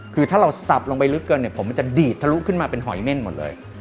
คือถ้าเราสับลงไปลึกเกินเนี่ยผมมันจะดีดทะลุขึ้นมาเป็นหอยเม่นหมดเลย